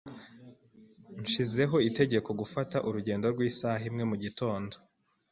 Nshizeho itegeko gufata urugendo rw'isaha imwe mugitondo.